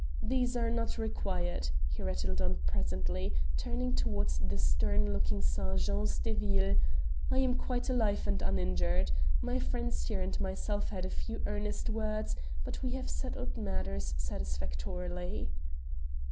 These are not required," he rattled on pleasantly, turning towards the stern looking sergents de ville; "I am quite alive and uninjured. My friends here and myself had a few earnest words, but we have settled matters satisfactorily."